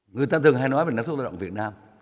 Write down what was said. người ta thường hay nói về năng suất lao động việt nam